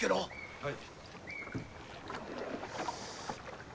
はい。